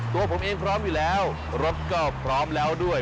ตัวผมเองพร้อมอยู่แล้วรถก็พร้อมแล้วด้วย